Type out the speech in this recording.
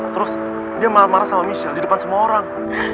terus dia marah marah sama michelle di depan semua orang